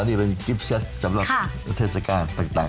นี่เป็นกิฟเซตสำหรับเทศกาลต่าง